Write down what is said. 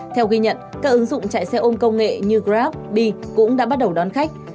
theo ghi nhận các ứng dụng chạy xe ôm công nghệ như grab b cũng đã bắt đầu đón khách